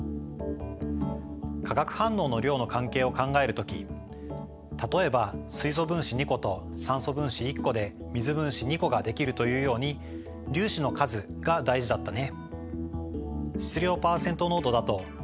化学反応の量の関係を考えるとき例えば水素分子２個と酸素分子１個で水分子２個ができるというように粒子の数が大事だったね。